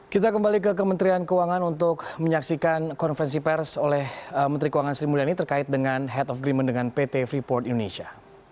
kita kembali ke kementerian keuangan untuk menyaksikan konferensi pers oleh menteri keuangan sri mulyani terkait dengan head of agreement dengan pt freeport indonesia